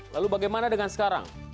lalu bagaimana dengan sekarang